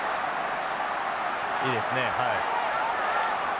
いいですねはい。